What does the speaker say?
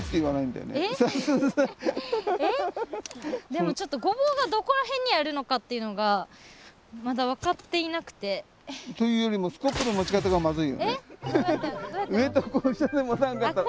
でもちょっとごぼうがどこら辺にあるのかっていうのがまだ分かっていなくて。というよりも上とこう下で持たんかと。